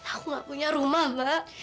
aku nggak punya rumah mbak